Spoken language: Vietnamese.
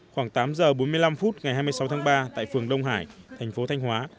khoảng tám giờ bốn mươi năm phút ngày hai mươi sáu tháng ba tại phường đông hải thành phố thanh hóa